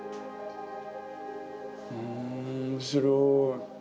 ふん面白い。